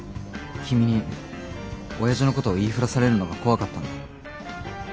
君に親父のことを言いふらされるのが怖かったんだ。